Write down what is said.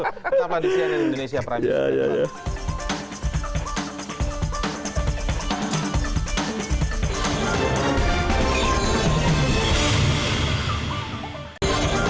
kita tahan di cnn indonesia prancis